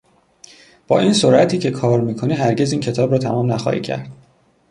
با این سرعتی که کار میکنی هرگز این کتاب را تمام نخواهی کرد.